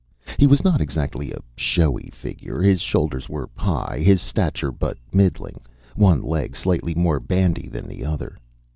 He was not exactly a showy figure; his shoulders were high, his stature but middling one leg slightly more bandy than the other.